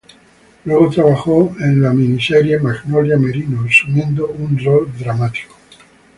Luego trabajó en la miniserie "Magnolia Merino" asumiendo un rol dramático.